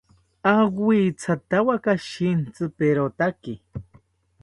Awithawaka shintziperotaki